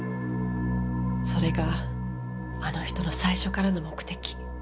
それがあの人の最初からの目的。